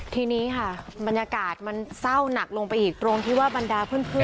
ทีนี้ค่ะบรรยากาศมันเศร้าหนักลงไปอีกตรงที่ว่าบรรดาเพื่อน